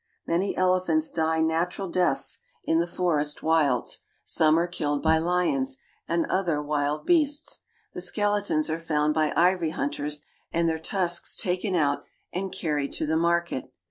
Many elephants die natural deaths in the for i 154 AFRICA est wilds ; some are killed by lions and other wild beasts. The skeletons are found by ivory hunters, and their tusks taken out and carried to the market.